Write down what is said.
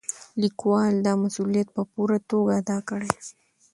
لیکوال دا مسؤلیت په پوره توګه ادا کړی.